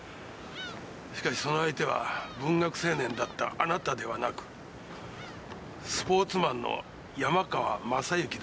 しかしその相手は文学青年だったあなたではなくスポーツマンの山川雅行だった。